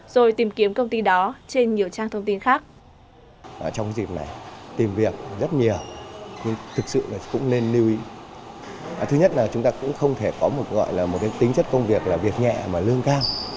rồi tìm kiếm công ty đó trên nhiều trang thông tin khác